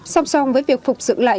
song song với việc phục dựng lại